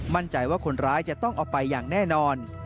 มั่นใจว่าคนร้ายจะต้องเอาไปอย่างแน่นอน